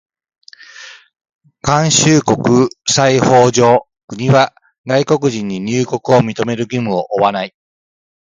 慣習国際法上、国は外国人に入国を認める義務を負わない。